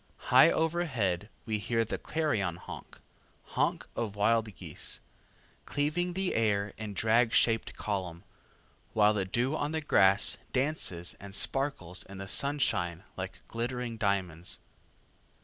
High overhead we hear the clarion honk, honk of wild geese, cleaving the air in drag shaped column, while the dew on the grass dances and sparkles in the sunshine like glittering diamonds.